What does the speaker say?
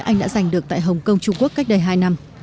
anh đã giành được tại hồng kông trung quốc cách đây hai năm